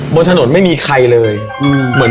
บนถนนไม่มีใครเลย